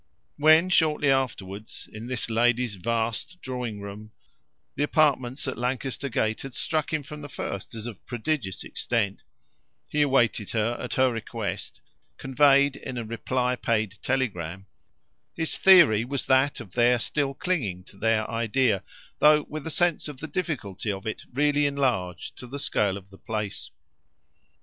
When shortly afterwards, in this lady's vast drawing room the apartments at Lancaster Gate had struck him from the first as of prodigious extent he awaited her, at her request, conveyed in a "reply paid" telegram, his theory was that of their still clinging to their idea, though with a sense of the difficulty of it really enlarged to the scale of the place.